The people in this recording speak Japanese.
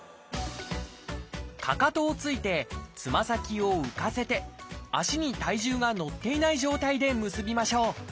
かかとを着いてつま先を浮かせて足に体重が乗っていない状態で結びましょう。